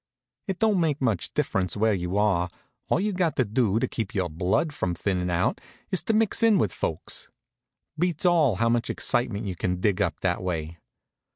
It don't make much difference where you are, all you've got to do to keep your blood from thinnin' out, is to mix in with folks. Beats all how much excitement you can dig up that way.